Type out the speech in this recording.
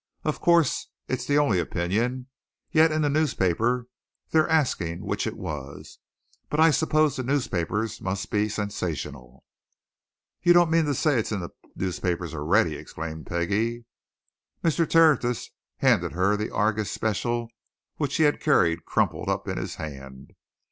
Of course! It's the only opinion. Yet in the newspaper they're asking which it was. But I suppose the newspapers must be sensational." "You don't mean to say it's in the newspapers already?" exclaimed Peggie. Mr. Tertius handed to her the Argus special, which he had carried crumpled up in his hand.